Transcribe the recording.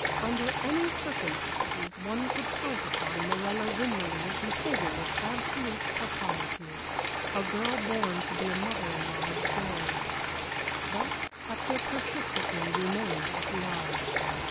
Under any circumstances one could count upon Morella Winmarleigh behaving with absolute propriety. A girl born to be a mother in law's joy. But Hector persistently remained at large.